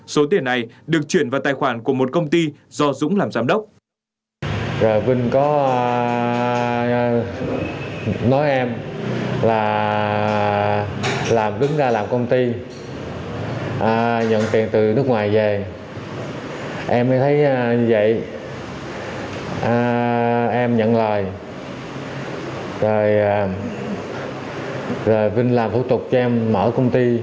số tiền này được chuyển vào tài khoản của một công ty do dũng làm giám đốc